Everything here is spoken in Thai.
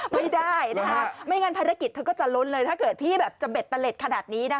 ไม่ได้นะคะไม่งั้นภารกิจเธอก็จะล้นเลยถ้าเกิดพี่แบบจะเบ็ดตะเล็ดขนาดนี้นะคะ